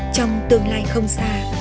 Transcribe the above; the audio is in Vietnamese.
trong tương lai không xa